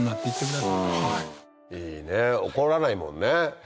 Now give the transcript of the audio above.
いいね怒らないもんね。